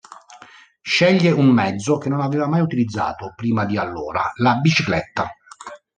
Sceglie un mezzo che non aveva mai utilizzato prima di allora, la bicicletta.